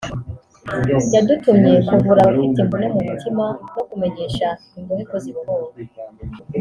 yadutumye kuvura abafite imvune mu mitima no kumenyesha imbohe ko zibohowe